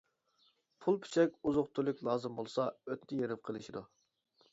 پۇل-پۈچەك، ئوزۇق-تۈلۈك لازىم بولسا ئۆتنە-يېرىم قىلىشىدۇ.